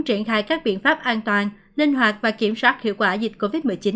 triển khai các biện pháp an toàn linh hoạt và kiểm soát hiệu quả dịch covid một mươi chín